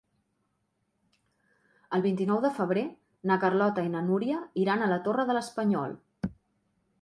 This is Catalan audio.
El vint-i-nou de febrer na Carlota i na Núria iran a la Torre de l'Espanyol.